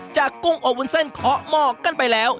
กุ้งอบวุ้นเส้นเคาะหม้อกันไปแล้ว